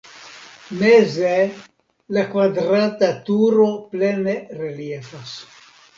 Meze la kvadrata turo plene reliefas.